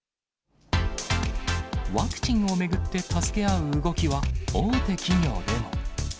ワクチンを巡って助け合う動きは、大手企業でも。